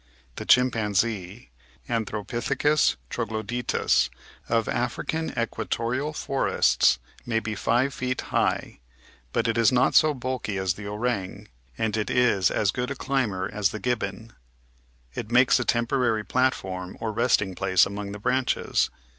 The Chimpanzee {Anthropo pithecus troglodytes) of African equatorial forests may be five feet high, but it is not so bulky as the Orang, and it is as good a 486 The Outline of Science climber as the Gibbon. It makes a temporary platform or resting place among the branches.